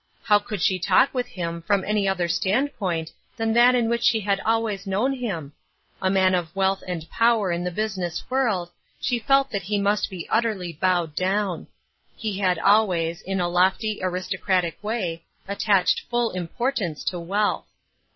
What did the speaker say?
IIow could she talk witli him from any other standpoint tlian that in which she had always known him ? A man of wealth and power in the business world, she felt that he must be utterly bowed down. He had «dways, in a lofty, aristocratic way, attached full importance to wealth.